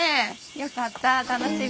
よかった楽しみ。